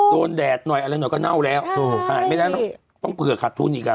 แดดหน่อยอะไรหน่อยก็เน่าแล้วขายไม่ได้แล้วต้องเผื่อขาดทุนอีกอ่ะ